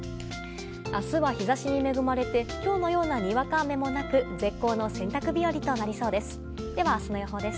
明日は日差しに恵まれて今日のような、にわか雨もなく絶好の洗濯日和となりそうです。